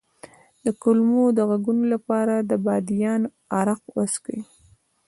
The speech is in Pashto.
د کولمو د غږونو لپاره د بادیان عرق وڅښئ